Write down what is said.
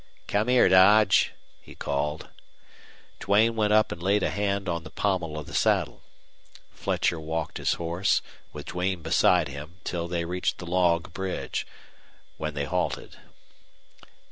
"Come here, Dodge," he called. Duane went up and laid a hand on the pommel of the saddle. Fletcher walked his horse, with Duane beside him, till they reached the log bridge, when he halted.